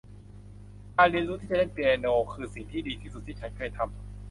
การเรียนรู้ที่จะเล่นเปียโน คือสิ่งที่ดีที่สุดที่ฉันเคยทำ